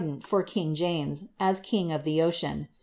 i lor king James, as king of ihe ocean ; t!